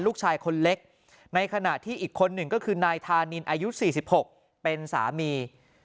ลูกชายคนเล็กในขณะที่อีกคนหนึ่งก็คือนายธานินอายุ๔๖เป็นสามี